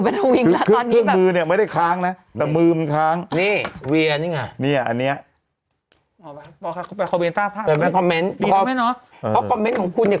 นี้เวย์นี่ไงเนี้ยอันเนี้ย